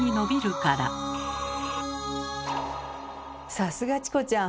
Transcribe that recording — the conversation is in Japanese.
さすがチコちゃん！